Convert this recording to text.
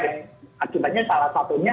yang akibatnya salah satunya